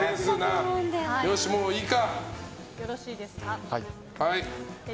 よし、もういいか。